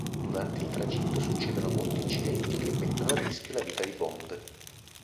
Durante il tragitto succedono molti incidenti che mettono a rischio la vita di Bond.